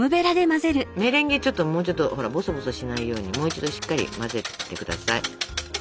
メレンゲちょっともうちょっとほらボソボソしないようにもう一度しっかり混ぜて下さい。